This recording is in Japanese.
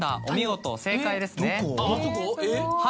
お見事正解ですね。